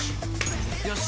よし！